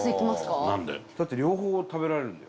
伊達：だって両方、食べられるんだよ。